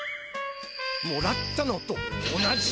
もらったのと同じ！？